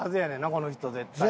この人絶対に。